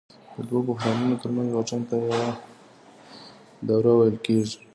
د دوو بحرانونو ترمنځ واټن ته یوه دوره ویل کېږي